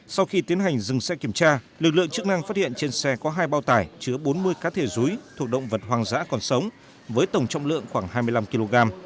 sau khi tiến hành dừng xe kiểm tra lực lượng chức năng phát hiện trên xe có hai bao tải chứa bốn mươi cá thể rúi thuộc động vật hoang dã còn sống với tổng trọng lượng khoảng hai mươi năm kg